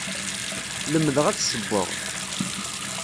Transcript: Lemdeɣ ad ssewweɣ.